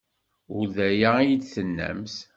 Ur d aya ay d-tennamt.